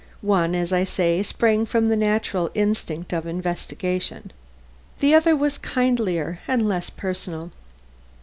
One, as I say, sprang from the natural instinct of investigation; the other was kindlier and less personal.